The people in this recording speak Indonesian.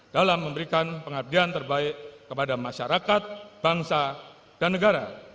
dalam memberikan pengabdian terbaik kepada masyarakat bangsa dan negara